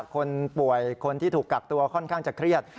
คนป่วยคนที่ถูกกักตัวค่อนข้างจะเครียด